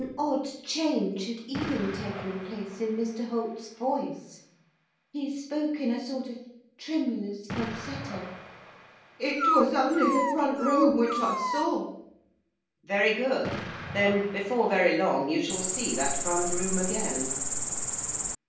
An odd change had even taken place in Mr Holt's voice, he spoke in a sort of tremulous falsetto. 'It was only the front room which I saw.' 'Very good; then, before very long, you shall see that front room again.